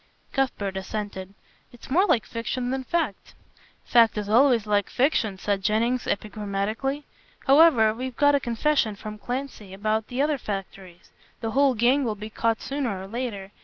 Cuthbert assented. "It's more like fiction than fact." "Fact is always like fiction," said Jennings epigrammatically, "however, we've got a confession from Clancy about the other factories. The whole gang will be caught sooner or later.